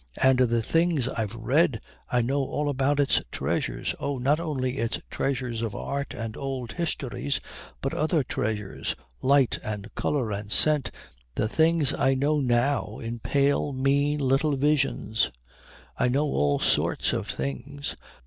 And the things I've read! I know all about its treasures oh, not only its treasures of art and old histories, but other treasures, light and colour and scent, the things I love now, the things I know now in pale mean little visions. I know all sorts of things.